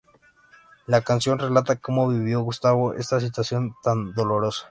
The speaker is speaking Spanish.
La canción relata cómo vivió Gustavo esa situación tan dolorosa.